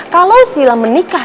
kalau sila menikah